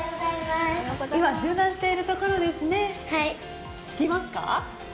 今、柔軟しているところですねつきますか？